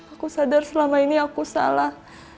aku sadar selama ini aku salah